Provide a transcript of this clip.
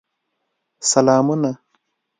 سلامونه !